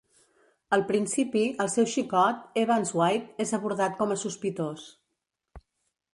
Al principi, el seu xicot, Evans White, és abordat com a sospitós.